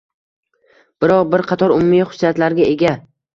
biroq bir qator umumiy xususiyatlarga ega.